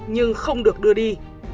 nhưng không được đưa đi